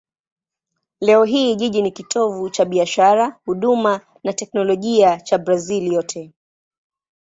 Leo hii jiji ni kitovu cha biashara, huduma na teknolojia cha Brazil yote.